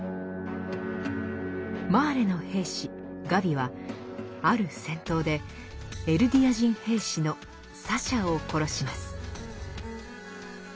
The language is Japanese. マーレの兵士・ガビはある戦闘でエルディア人兵士のサシャを殺します。